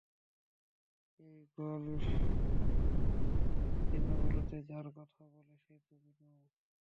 এই গোলকধাঁধাঁর চিহ্নগুলোতে যার কথা বলে, সে তুমি নও?